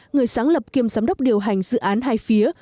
người sáng lập kiêm giám đốc điều hành dự án hai phía